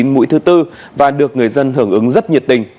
mũi thứ tư và được người dân hưởng ứng rất nhiệt tình